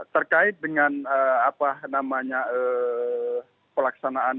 terkait dengan apa namanya pelaksanaan